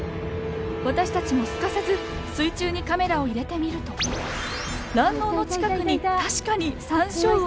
私たちもすかさず水中にカメラを入れてみると卵のうの近くに確かにサンショウウオの姿が。